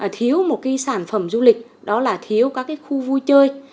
thiếu một sản phẩm du lịch đó là thiếu các khu vui chơi